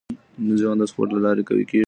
ذهن د سپورت له لارې قوي کېږي.